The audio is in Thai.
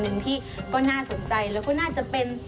หนึ่งที่ก็น่าสนใจแล้วก็น่าจะเป็น